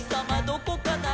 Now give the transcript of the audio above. どこかな？」